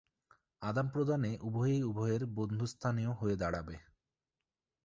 আদানপ্রদানে উভয়েই উভয়ের বন্ধুস্থানীয় হয়ে দাঁড়াবে।